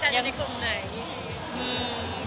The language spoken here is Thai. อย่างนี้กลุ่มไหน